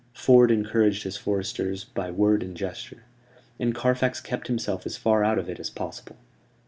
Ford encouraged his foresters by word and gesture; and Carfax kept himself as far out of it as possible.